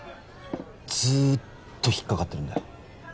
ずっと引っかかってるんだよ